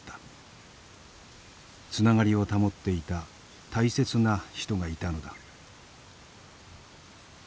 つながりを保っていた大切な人がいたのだ。